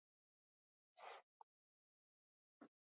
Бевме кај Зоки и јадевме компирчиња.